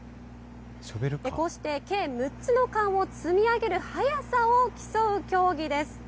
こうして計６つの缶を積み上げる速さを競う競技です。